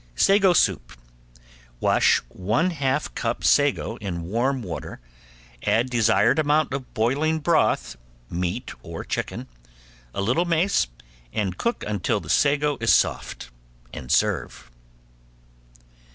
~SAGO SOUP~ Wash one half cup sago in warm water, add desired amount of boiling broth (meat or chicken), a little mace, and cook until the sago is soft, and serve.